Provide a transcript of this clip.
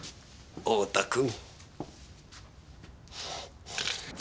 太田君。